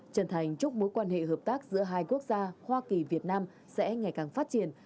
trần thành chúc mối quan hệ hợp tác giữa hai quốc gia hoa kỳ việt nam sẽ ngày càng phát triển